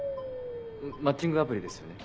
マッチングアプリですよね？